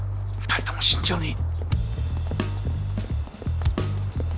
２人とも慎重に。